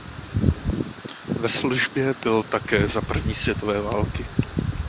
Ve službě byl také za první světové války.